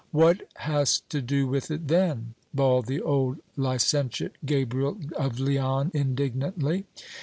What has to do with it then ? bawled the old licentiate Gabriel of Leon indignantly.